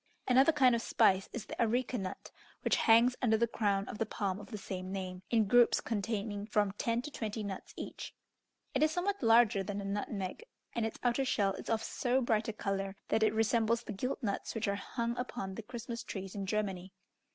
Another kind of spice is the areca nut, which hangs under the crown of the palm of the same name, in groups containing from ten to twenty nuts each. It is somewhat larger than a nutmeg, and its outer shell is of so bright a colour, that it resembles the gilt nuts which are hung upon the Christmas trees in Germany.